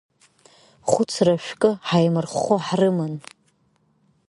Хәыцра шәкы ҳаимырххо ҳрыман.